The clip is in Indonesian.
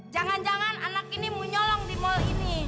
jangan jangan anak ini menyolong di mal ini